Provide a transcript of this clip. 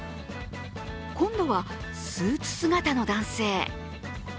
今度はスーツ姿の男性。